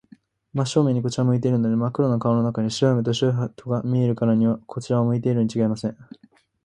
真正面にこちらを向いているのです。まっ黒な顔の中に、白い目と白い歯とが見えるからには、こちらを向いているのにちがいありません。